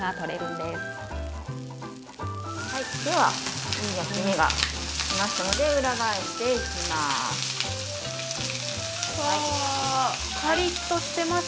では焦げ目が付きましたので裏返していきます。